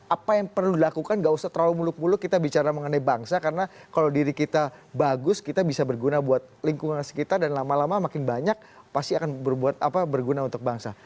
apa yang perlu dilakukan gak usah terlalu muluk muluk kita bicara mengenai bangsa karena kalau diri kita bagus kita bisa berguna buat lingkungan sekitar dan lama lama makin banyak pasti akan berguna untuk bangsa